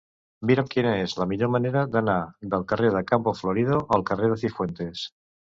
Mira'm quina és la millor manera d'anar del carrer de Campo Florido al carrer de Cifuentes.